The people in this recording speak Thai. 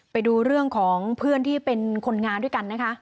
ไปดูเรื่องของเพื่อนที่เป็นคนงานด้วยกันนะคะ